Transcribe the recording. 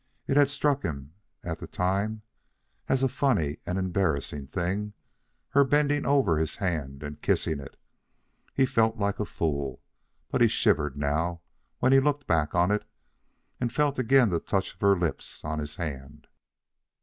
It had struck him at the time as a funny and embarrassing thing, her bending over his hand and kissing it. He had felt like a fool, but he shivered now when he looked back on it and felt again the touch of her lips on his hand.